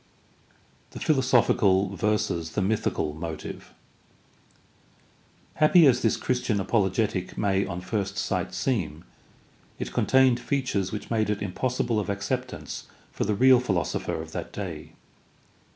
The philosophical versus the mythical motive. — ^Happy as this Christian apologetic may on first sight seem, it con tained features which made it impossible of acceptance for the real philosopher of that day.